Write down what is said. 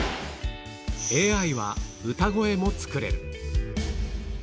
ＡＩは歌声も作れる。